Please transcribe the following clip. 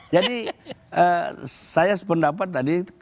jadi saya sependapat tadi